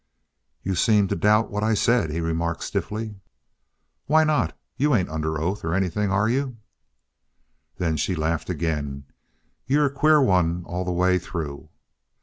"You seemed to doubt what I said," he remarked stiffly. "Why not? You ain't under oath, or anything, are you?" Then she laughed again. "You're a queer one all the way through.